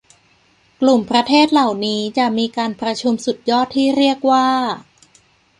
กลุ่มประเทศเหล่านี้จะมีการประชุมสุดยอดที่เรียกว่า